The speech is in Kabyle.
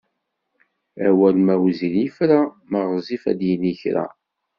Awal ma wezzil yefra, ma ɣezzif ad d-yini kra.